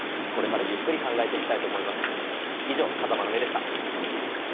これからゆっくり考えていきたいと思います。